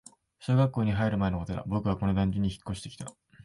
小学校に入る前のことだ、僕はこの団地に引っ越してきた